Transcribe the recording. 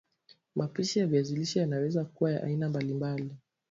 Mapishi ya viazi lishe yanaweza kuwa ya aina mbali mbal